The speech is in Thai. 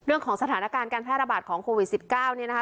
สถานการณ์การแพร่ระบาดของโควิด๑๙เนี่ยนะคะ